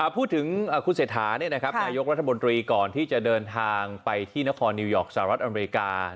พูดถึงคุณเศรษฐานายกรัฐมนตรีก่อนที่จะเดินทางไปที่นครนิวยอร์กสหรัฐอเมริกา